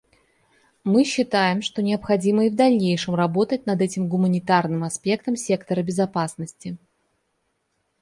Мы считаем, что необходимо и в дальнейшем работать над этим гуманитарным аспектом сектора безопасности.